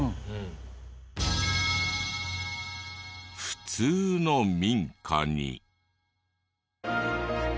普通の民家に。